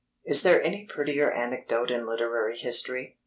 Is there any prettier anecdote in literary history?